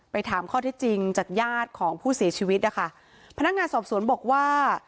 ถามข้อที่จริงจากญาติของผู้เสียชีวิตนะคะพนักงานสอบสวนบอกว่า